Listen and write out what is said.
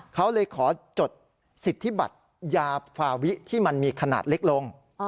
เขาเลยขอจดสิทธิบัตรยาฟาวิที่มันมีขนาดเล็กลง